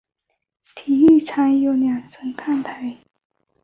体育场有两层看台。